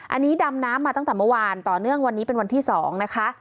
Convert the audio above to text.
อันนี้ดำน้ำมาตั้งแต่เมื่อวานต่อเนื่องวันนี้เป็นวันที่๒นะคะ